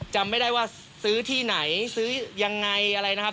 จำไม่ได้ว่าซื้อที่ไหนซื้อยังไงอะไรนะครับ